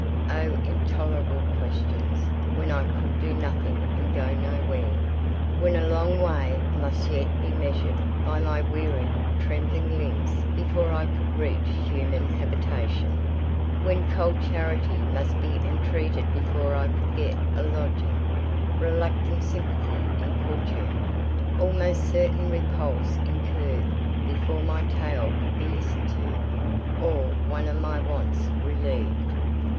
Oh, intolerable questions, when I could do nothing and go nowhere!—when a long way must yet be measured by my weary, trembling limbs before I could reach human habitation—when cold charity must be entreated before I could get a lodging: reluctant sympathy importuned, almost certain repulse incurred, before my tale could be listened to, or one of my wants relieved!